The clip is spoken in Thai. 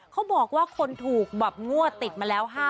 เขาบอกว่าคนถูกแบบงวดติดมาแล้ว๕๐